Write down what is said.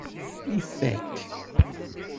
Ifak.